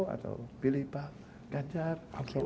atau pilih pak ganjar